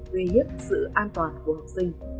tuy hiếp sự an toàn của học sinh